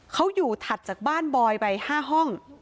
เขาอยู่ถัดจากบ้านบอยไป๕ห้อง